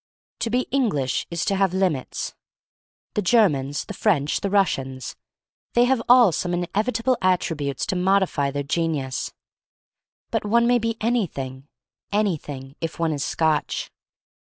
To be English is to have limits; the Ger 238 THE STORY OF MARY MAC LANE 239 mans, the French, the Russians — they have all some inevitable attributes to modify their genius. But one may be anything — anything, if one is Scotch.